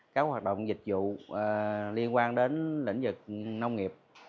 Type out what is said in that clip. các hoạt động dịch vụ liên quan đến lĩnh vực nông nghiệp